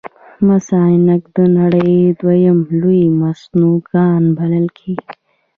مس عینک د نړۍ دویم لوی د مسو کان بلل کیږي.